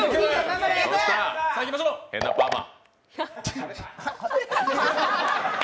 変なパーマ。